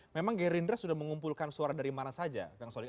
memang gerindra sudah mengumpulkan suara dari mana saja kang sodik